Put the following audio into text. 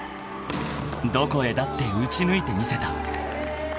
［どこへだって打ち抜いてみせた］